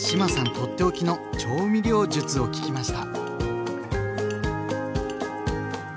取って置きの調味料術を聞きました。